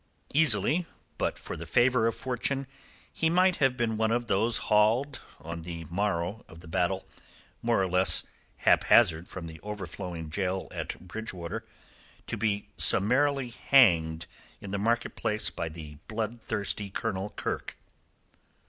Easily, but for the favour of Fortune, he might have been one of those haled, on the morrow of the battle, more or less haphazard from the overflowing gaol at Bridgewater to be summarily hanged in the market place by the bloodthirsty Colonel Kirke.